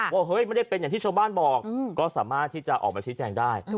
ว่าเฮ้ยไม่ได้เป็นอย่างที่ชาวบ้านบอกก็สามารถที่จะออกมาชี้แจงได้